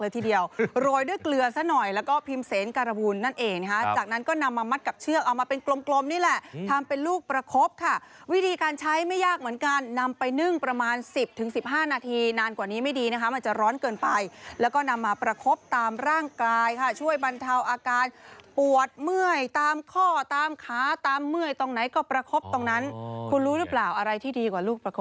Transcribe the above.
โรยด้วยเกลือซะหน่อยแล้วก็พิมพ์เสนการบูลนั่นเองนะคะจากนั้นก็นำมามัดกับเชือกเอามาเป็นกลมนี่แหละทำเป็นลูกประคบค่ะวิธีการใช้ไม่ยากเหมือนกันนำไปนึ่งประมาณ๑๐๑๕นาทีนานกว่านี้ไม่ดีนะคะมันจะร้อนเกินไปแล้วก็นำมาประคบตามร่างกายค่ะช่วยบรรเทาอาการปวดเมื่อยตามข้อตามขาตามเมื่อยตรงไหนก็ประคบตรงนั้นคุณรู้หรือเปล่าอะไรที่ดีกว่าลูกประค